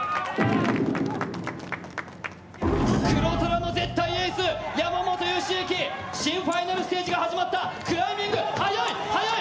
黒虎の絶対エース、山本良幸、新ファイナルステージが始まった、クライミング、速い、速い。